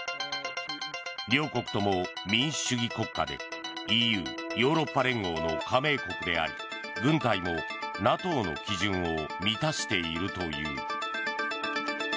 両国とも民主主義国家でＥＵ・ヨーロッパ連合の加盟国であり軍隊もＮＡＴＯの基準を満たしているという。